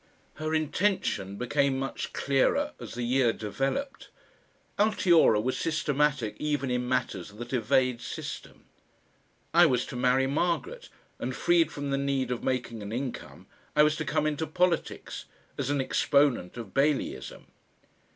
Her intention became much clearer as the year developed. Altiora was systematic even in matters that evade system. I was to marry Margaret, and freed from the need of making an income I was to come into politics as an exponent of Baileyism.